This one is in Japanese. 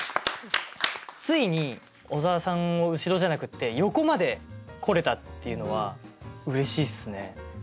ついに小沢さんを後ろじゃなくって横まで来れたっていうのはうれしいっすね。